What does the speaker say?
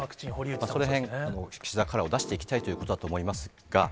そのへん岸田カラーを出していきたいということだと思いますが。